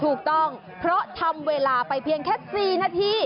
ถูกต้องเพราะทำเวลาไปเพียงแค่๔นาที